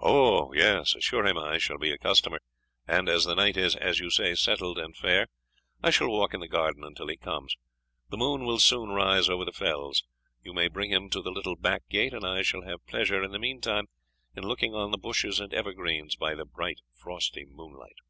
"O yes, assure him I shall be a customer; and as the night is, as you say, settled and fair, I shall walk in the garden until he comes; the moon will soon rise over the fells. You may bring him to the little back gate; and I shall have pleasure, in the meanwhile, in looking on the bushes and evergreens by the bright frosty moonlight."